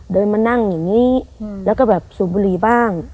เดินมานั่งอย่างนี้แล้วก็แบบสูบบุหรี่บ้าง